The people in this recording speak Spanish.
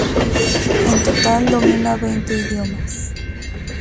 En total domina veinte idiomas.